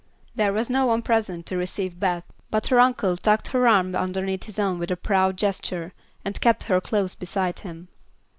There was no one present to receive Beth, but her uncle tucked her arm underneath his own with a proud gesture and kept her close beside him.